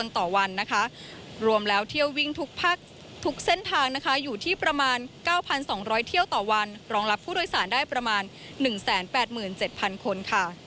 ทุกเส้นทางนะคะอยู่ที่ประมาณ๙๒๐๐เที่ยวต่อวันรองรับผู้โดยสารได้ประมาณ๑๘๗๐๐๐คนค่ะ